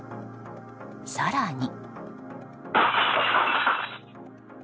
更に。